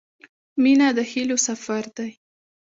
• مینه د هیلو سفر دی.